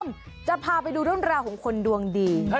อ่อมจะพาไปดูร่วนราวของคนดวงดี